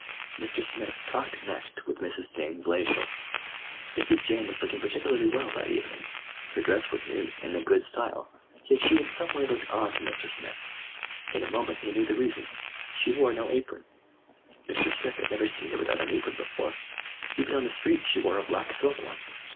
Mr. Smith talked next with Mrs. Jane Blaisdell. Mrs. Jane was looking particularly well that evening. Her dress was new, and in good style, yet she in some way looked odd to Mr. Smith. In a moment he knew the reason: she wore no apron. Mr. Smith had never seen her without an apron before. Even on the street she wore a black silk one.